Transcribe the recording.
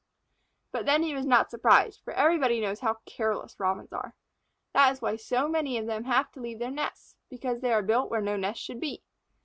But then he was not surprised, for everybody knows how careless Robins are. That is why so many of them have to leave their nests because they are built where no nest should be.